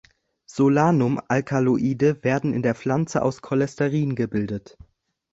Solanum-Alkaloide werden in der Pflanze aus Cholesterin gebildet.